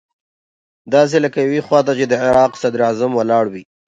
داسې لکه يوې خوا ته چې د عراق صدراعظم ولاړ وي.